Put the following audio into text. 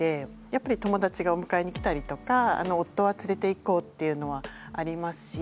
やっぱり友だちがお迎えに来たりとか夫は連れていこうっていうのはありますし。